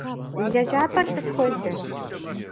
Уи лэжьапӏэр сыт хуэдэ?